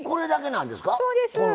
そうです。